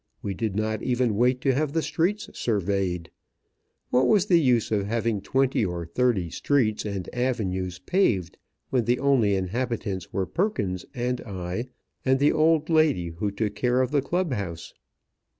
We did not even wait to have the streets surveyed. What was the use of having twenty or thirty streets and avenues paved when the only inhabitants were Perkins and I and the old lady who took care of the Club house?